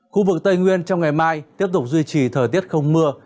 khu vực tây nguyên trong ngày mai tiếp tục duy trì thời tiết không mưa